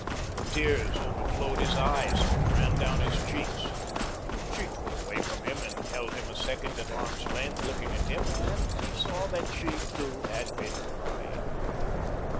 The tears overflowed his eyes and ran down upon his cheeks. She drew away from him and held him a second at arm's length, looking at him, and he saw that she, too, had been crying.